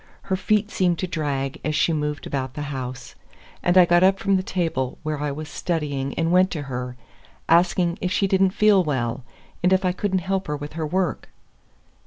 Her feet seemed to drag as she moved about the house, and I got up from the table where I was studying and went to her, asking if she did n't feel well, and if I could n't help her with her work.